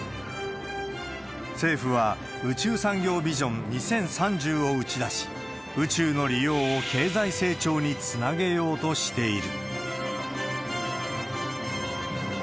政府は宇宙産業ビジョン２０３０を打ち出し、宇宙の利用を経済成長につなげようとしている。